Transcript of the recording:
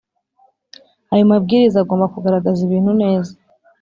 Ayo mabwiriza agomba kugaragaza ibintu neza